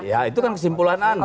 ya itu kan kesimpulan anda